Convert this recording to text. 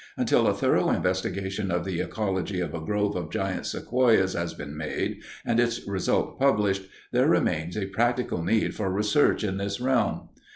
Until a thorough investigation of the ecology of a grove of giant sequoias has been made and its result published, there remains a practical need for research in this realm.